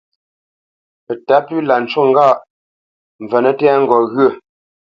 Pətǎ pʉ láʼ ncú ŋgâʼ : mvənə tɛ́ ŋgot ghyə̂.